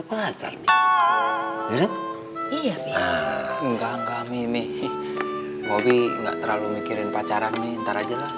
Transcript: pacar nggak gampang ini bobby enggak terlalu mikirin pacaran ntar ajalah